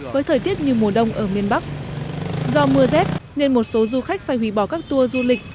với thời tiết như mùa đông ở miền bắc do mưa rét nên một số du khách phải hủy bỏ các tour du lịch